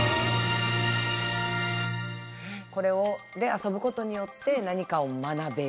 これで遊ぶことによって何かを学べる？